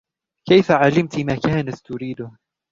كيفَ علمتيِ ما كانت تريدهُ ؟